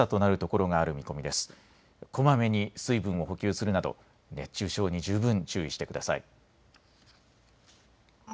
こまめに水分を補給するなど熱中症に十分注意してください。